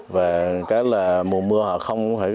và cái là mùa mưa họ không phải